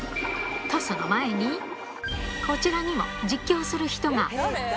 と、その前に、こちらにも、実況する人が。